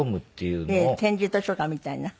点字図書館みたいな。